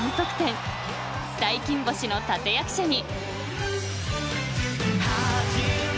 ［大金星の立役者に］